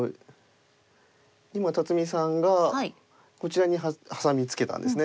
今辰巳さんがこちらにハサミツケたんですね。